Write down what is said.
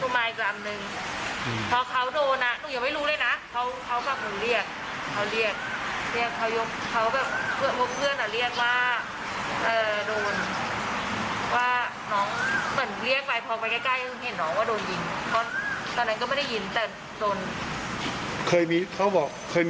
ไม่อะแม่เขาบอกว่าไม่เคย